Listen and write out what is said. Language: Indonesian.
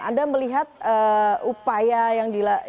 anda melihat upaya yang dilakukan